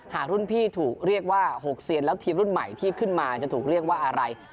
หากรุ่นพี่ถูกเรียกว่า๖เซียนแล้วทีมรุ่นใหม่ที่ขึ้นมาจะถูกเรียกว่าอะไร